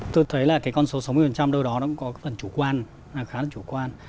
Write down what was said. tôi thấy là con số sáu mươi đâu đó cũng có phần chủ quan khá là chủ quan